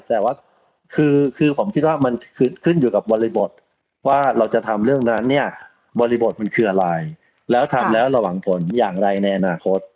แต่ว่าคือผมคิดว่ามันขึ้นอยู่กับบริบทว่าเราจะทำเรื่องนั้นเนี่ยบริบทมันคืออะไรแล้วทำแล้วเราหวังผลอย่างไรในอนาคต